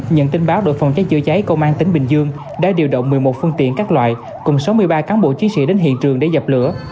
nhận tin báo đội phòng cháy chữa cháy công an tỉnh bình dương đã điều động một mươi một phương tiện các loại cùng sáu mươi ba cán bộ chiến sĩ đến hiện trường để dập lửa